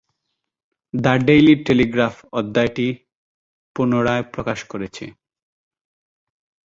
The Daily Telegraph, অধ্যায়টি পুনরায় প্রকাশ করেছে।